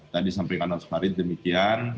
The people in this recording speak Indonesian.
tadi sampaikan anwar semarit demikian